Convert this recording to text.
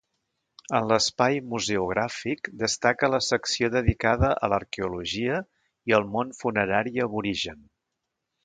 En l'espai museogràfic destaca la secció dedicada a l'arqueologia i al món funerari aborigen.